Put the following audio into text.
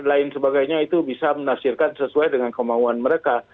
lain sebagainya itu bisa menafsirkan sesuai dengan kemauan mereka